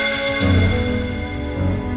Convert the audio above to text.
gimana kita akan menikmati rena